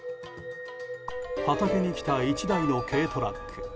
畑に来た１台の軽トラック。